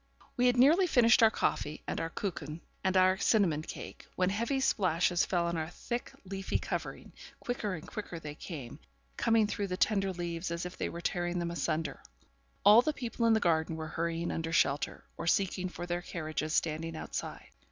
We had nearly finished our coffee, and our 'kucken,' and our cinnamon cake, when heavy splashes fell on our thick leafy covering; quicker and quicker they came, coming through the tender leaves as if they were tearing them asunder; all the people in the garden were hurrying under shelter, or seeking for their carriages standing outside.